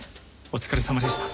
お疲れさまでした。